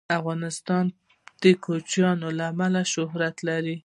افغانستان د کوچیان له امله شهرت لري.